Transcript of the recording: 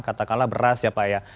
katakanlah beras ya pak ya